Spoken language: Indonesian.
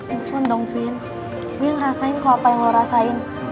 bukankah dong vin gue ngerasain kok apa yang lo rasain